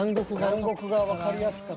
「南国」がわかりやすかった。